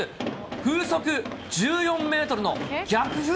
風速１４メートルの逆風